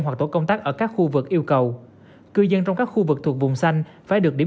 hoặc tổ công tác ở các khu vực yêu cầu cư dân trong các khu vực thuộc vùng xanh phải được địa